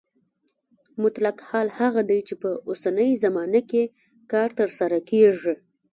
مطلق حال هغه دی چې په اوسنۍ زمانه کې کار ترسره کیږي.